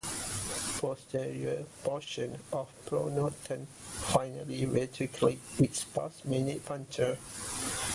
Posterior portion of pronotum finely reticulate with sparse minute punctures.